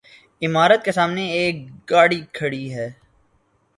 عمارت کے سامنے ایک گاڑی کھڑی ہے